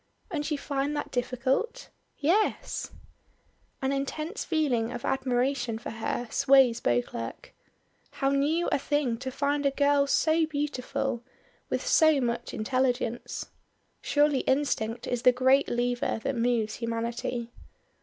"And you find that difficult?" "Yes." An intense feeling of admiration for her sways Beauclerk. How new a thing to find a girl so beautiful, with so much intelligence. Surely instinct is the great lever that moves humanity.